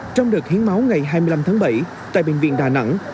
trong đợt hiến máu ngày hai mươi năm tháng bảy tại bệnh viện đà nẵng